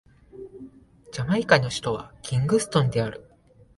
ジャマイカの首都はキングストンである